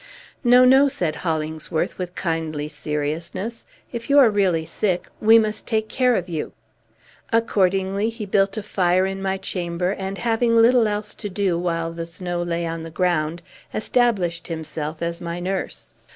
"No, no!" said Hollingsworth with kindly seriousness. "If you are really sick, we must take care of you." Accordingly he built a fire in my chamber, and, having little else to do while the snow lay on the ground, established himself as my nurse.